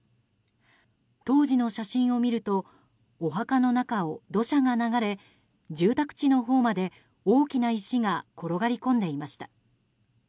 当時の写真を見るとお墓の中を土砂が流れ住宅地のほうまで大きな石が転がり込んでいました。